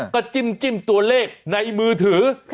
ก็จิ้มตัวเลขในมือถือ